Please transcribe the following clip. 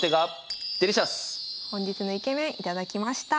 本日のイケメン頂きました。